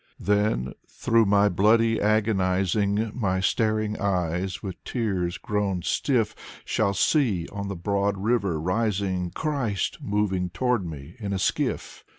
Then through my bloody agonizing My staring eyes, with tears grown stiff, Shall see on the broad river rising Christ moving toward me in a skiff.